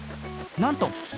なんと！